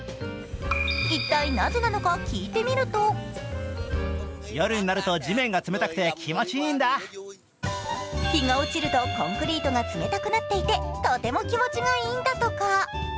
一体なぜなのか聞いてみると日が落ちるとコンクリートが冷たくなっていてとても気持ちがいいんだとか。